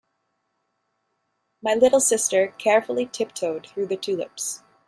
My little sister carefully tiptoed through the tulips.